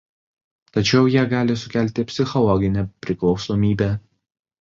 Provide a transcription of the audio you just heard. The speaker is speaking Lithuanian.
Tačiau jie gali sukelti psichologinę priklausomybę.